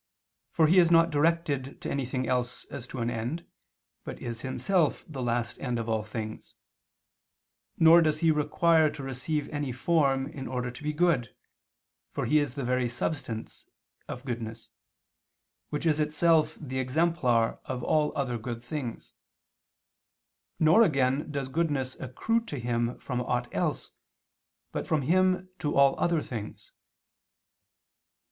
For He is not directed to anything else as to an end, but is Himself the last end of all things; nor does He require to receive any form in order to be good, for His very substance is His goodness, which is itself the exemplar of all other good things; nor again does goodness accrue to Him from aught else, but from Him to all other things.